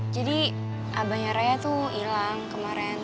jadi abangnya raya tuh hilang kemarin